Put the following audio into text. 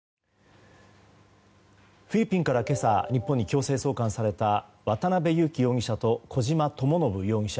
フィリピンから今朝日本に強制送還された渡邉優樹容疑者と小島智信容疑者。